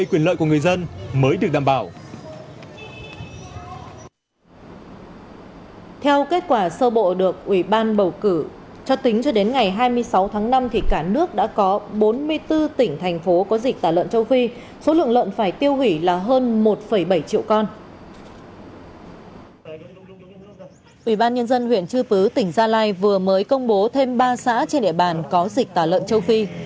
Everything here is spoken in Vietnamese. ủy ban nhân dân huyện chư phứ tỉnh gia lai vừa mới công bố thêm ba xã trên địa bàn có dịch tả lợn châu phi